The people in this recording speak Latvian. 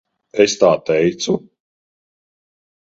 Es tā teicu?